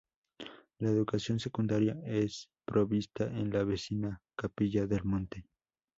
La educación secundaria es provista en la vecina Capilla Del Monte.